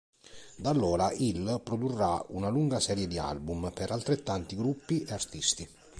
Da allora Hill produrrà una lunga serie di album per altrettanti gruppi e artisti.